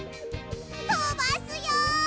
とばすよ！